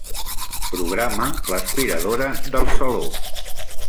Programa l'aspiradora del saló.